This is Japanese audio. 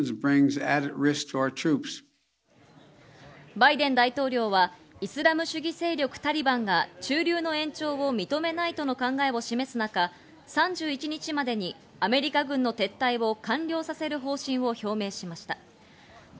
バイデン大統領はイスラム主義勢力・タリバンが駐留の延長を認めないとの考えを示す中、３１日までにアメリカ軍の撤退を完了させる方針を表明しました。